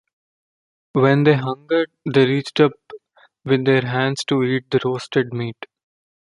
When they hungered, they reached up with their hands to eat the roasted meat.